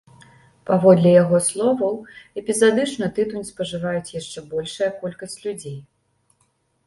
Паводле яго словаў, эпізадычна тытунь спажываюць яшчэ большая колькасць людзей.